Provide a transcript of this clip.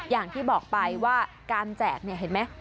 อย่างที่บอกไปว่าการแจกเนี่ยเห็นไหม